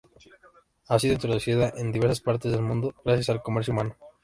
Ha sido introducida en diversas partes del mundo gracias al comercio humano.